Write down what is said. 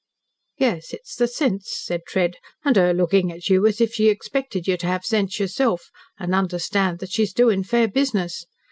"Yes, it's the sense," said Tread, "and her looking at you as if she expected you to have sense yourself, and understand that she's doing fair business.